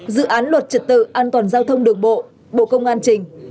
dự án luật trật tự an toàn giao thông đường bộ bộ công an trình